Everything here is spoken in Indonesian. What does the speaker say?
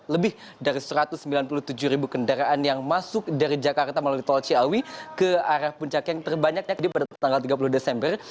lebih dari satu ratus sembilan puluh tujuh ribu kendaraan yang masuk dari jakarta melalui tol ciawi ke arah puncak yang terbanyaknya pada tanggal tiga puluh desember